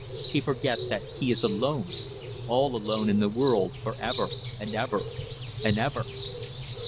He forget that he is alone all alone in the world, for ever and ever and ever."